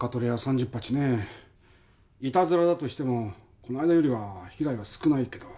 鉢ねぇイタズラだとしてもこの間よりは被害は少ないけど。